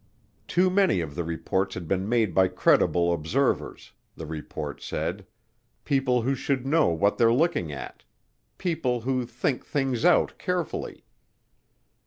Too many of the reports had been made by credible observers, the report said, people who should know what they're looking at people who think things out carefully.